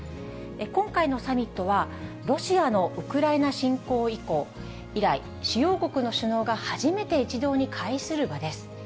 今回のサミットは、ロシアのウクライナ侵攻以降、以来、主要国の首脳が初めて一堂に会する場です。